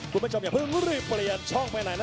คุณผู้ชมอย่าเพิ่งรีบเปลี่ยนช่องไปไหนนะ